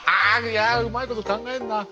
いやうまいこと考えるなあ。